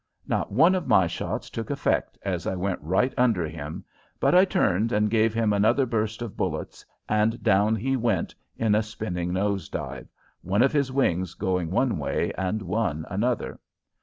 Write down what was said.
Not one of my shots took effect as I went right under him, but I turned and gave him another burst of bullets and down he went in a spinning nose dive, one of his wings going one way and one another.